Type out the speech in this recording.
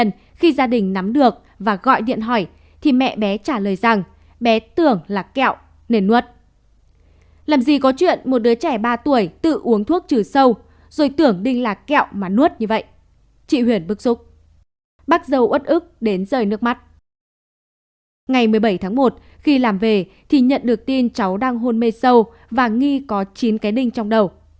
ngày một mươi bảy tháng một khi làm về thì nhận được tin cháu đang hôn mê sâu và nghi có chín cái đinh trong đầu